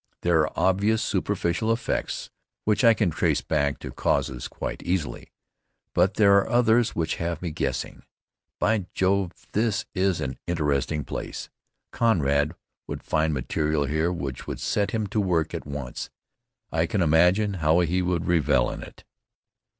There are obvious superficial effects which I can trace back to causes quite easily. But there are others which have me guessing. By Jove! this is an interesting place! Conrad would find material here which would set him to work at once. I can imagine how he would revel in it.